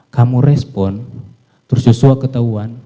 kamu respon terus joshua ketahuan